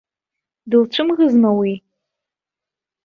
Дылцәымӷызма уи?